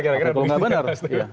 apalagi kalau nggak benar